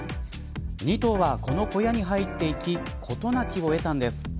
２頭は、この小屋に入っていき事なきを得たんです。